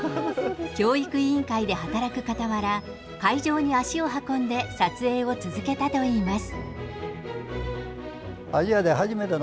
教育委員会で働くかたわら会場に足を運んで撮影を続けたと言います。